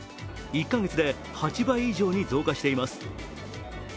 １カ月で８倍以上に増加しています。